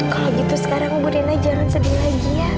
kalau begitu sekarang bu rena jangan sedih lagi ya